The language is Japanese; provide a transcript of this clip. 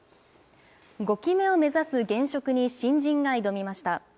５期目を目指す現職に新人が挑みました。